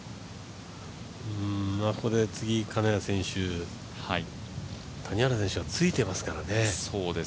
次、金谷選手、谷原選手はついてますからね。